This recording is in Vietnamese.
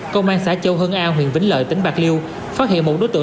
công an xã châu hưng a huyện vĩnh lợi tỉnh bạc liêu phát hiện một đối tượng